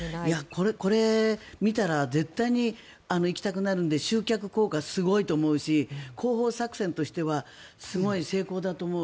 これを見たら絶対に行きたくなるので集客効果はすごいでしょうし広報作戦としてはすごく成功だと思う。